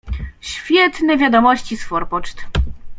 "Świetne wiadomości z forpoczt."